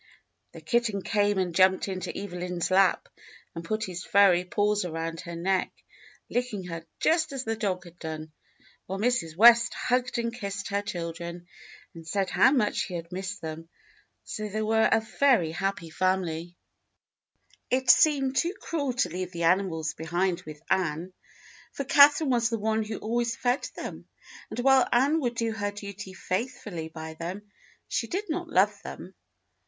The kitten came and jumped into Evelyn's lap and put his furry paws around her neck, licking her just as the dog had done; while Mrs. West hugged and kissed her children and said how much she had missed them; so they were a very happy family. 72 THE BLUE AUNT It seemed too cruel to leave the animals behind with Ann, for Catherine was the one who always fed them, and while Ann would do her duty faithfully by them she did not love them.